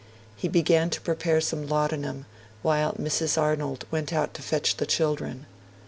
He began to prepare some laudanum, while Mrs. Arnold went out to fetch the children.